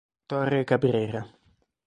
Torre Cabrera